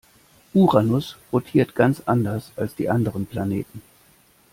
Uranus rotiert ganz anders als die anderen Planeten.